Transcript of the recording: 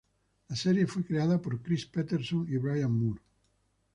La serie fue creada por Chris Peterson y Bryan Moore.